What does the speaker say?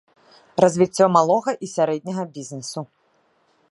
Развіццё малога і сярэдняга бізнесу.